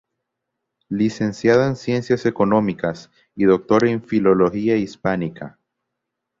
Licenciado en Ciencias Económicas y doctor en Filología Hispánica.